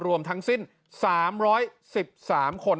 รวมทั้งสิ้น๓๑๓คน